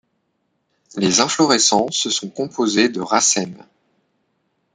Les inflorescences sont composées de racèmes.